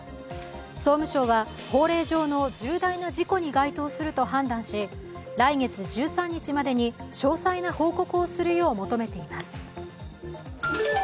総務省は、法令上の重大な事故に該当すると判断し来月１３日までに詳細な報告をするよう求めています。